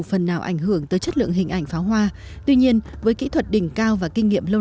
phần nào ảnh hưởng tới chất lượng hình ảnh pháo hoa tuy nhiên với kỹ thuật đỉnh cao và kinh nghiệm lâu